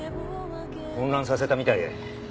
混乱させたみたいで。